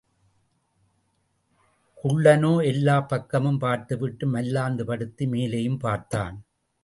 குள்ளனோ எல்லாப் பக்கமும் பார்த்துவிட்டு மல்லாந்து படுத்து மேலேயும் பார்த்தான்.